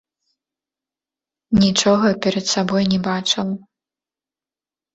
Нічога перад сабой не бачыла.